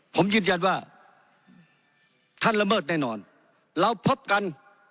ผมยืนยันว่าท่านละเมิดแน่นอนเราพบกัน